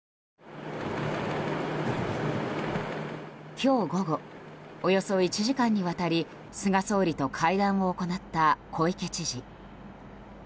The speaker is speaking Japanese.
今日午後およそ１時間にわたり菅総理と会談を行った小池知事。